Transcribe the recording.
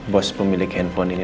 bos pemilik handphone ini